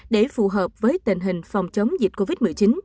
để phù hợp với tình hình phòng chống dịch covid một mươi chín